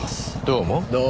どうも。